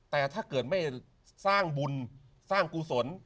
แต่ถ้าเกิดไม่สร้างบุญสร้างกุศล